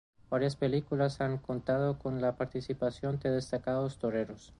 Varias de las películas han contado con la participación de destacados toreros.